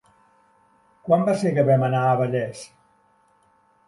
Quan va ser que vam anar a Vallés?